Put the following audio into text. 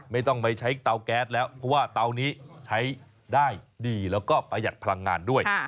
ไม่ต้องไปใช้เตาแก๊สแล้วเพราะว่าเตานี้ใช้ได้ดีแล้วก็ประหยัดพลังงานด้วย